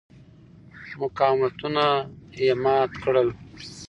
مقاومتونه یې مات کړل.